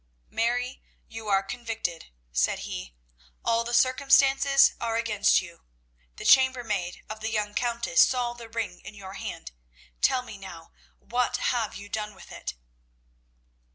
"Mary, you are convicted," said he. "All the circumstances are against you. The chamber maid of the young Countess saw the ring in your hand. Tell me now, what you have done with it?"